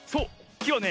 きはね